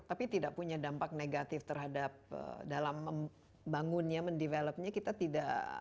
tapi tidak punya dampak negatif terhadap dalam membangunnya mendevelopnya kita tidak